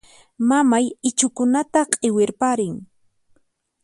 Mamay ichhukunata q'iwirparin.